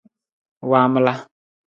Waamala.